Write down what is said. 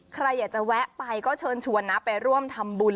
ใครอยากจะแวะไปก็เชิญชวนนะไปร่วมทำบุญ